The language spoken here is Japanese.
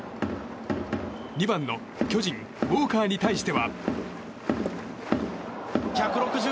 ２番の巨人、ウォーカーに対しては。